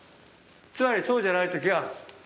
つまりそうじゃない時は。